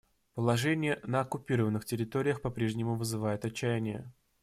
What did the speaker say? Положение на оккупированных территориях попрежнему вызывает отчаяние.